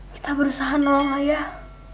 kita berusaha nolong ayah